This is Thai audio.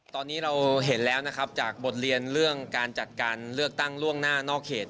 ตอนนี้เราเห็นแล้วนะครับจากบทเรียนเรื่องการจัดการเลือกตั้งล่วงหน้านอกเขต